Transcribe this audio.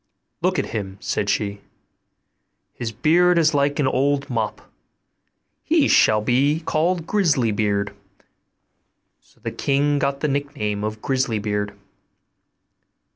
'Look at him,' said she; 'his beard is like an old mop; he shall be called Grisly beard.' So the king got the nickname of Grisly beard.